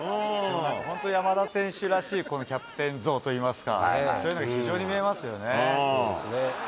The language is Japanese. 本当、山田選手らしいこのキャプテン像といいますか、そういうのが非常そうですね。